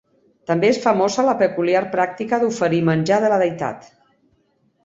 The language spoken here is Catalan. També és famosa la peculiar pràctica d'oferir menjar de la deïtat.